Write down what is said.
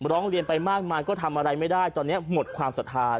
ร้องเรียนไปมากมายก็ทำอะไรไม่ได้ตอนนี้หมดความศรัทธา